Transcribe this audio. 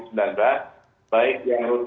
baik yang rutin dengan menggunakan masker